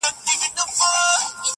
ليکوال ژور نقد وړلاندي کوي ډېر-